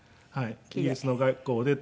イギリスの学校を出て。